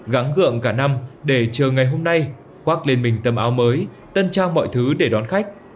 gắng gượng cả năm để chờ ngày hôm nay khoác lên mình tấm áo mới tân trao mọi thứ để đón khách